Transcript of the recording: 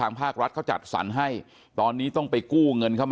อายุ๑๐ปีนะฮะเขาบอกว่าเขาก็เห็นถูกยิงนะครับ